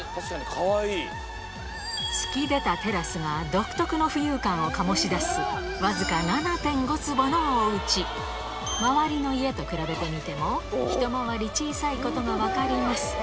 突き出たテラスが独特の浮遊感を醸し出す周りの家と比べてみてもひと回り小さいことが分かります